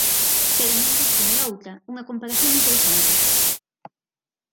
Pero a min gústame outra, unha comparación interesante.